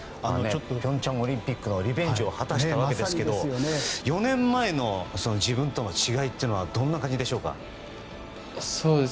平昌オリンピックのリベンジを果たしたわけですけど４年前の自分との違いというのはどんな感じでしょうか？